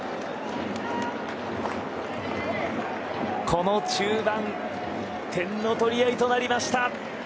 この中盤点の取り合いとなりました。